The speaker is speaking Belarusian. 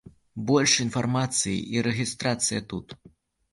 Больш інфармацыі і рэгістрацыя тут.